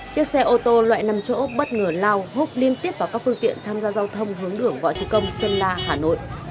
chiếc xe ô tô loại năm chỗ bất ngờ lao hút liên tiếp vào các phương tiện tham gia giao thông hướng đường võ trí công sơn la hà nội